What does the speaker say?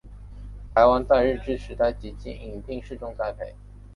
台湾在日治时代即引进试种栽培。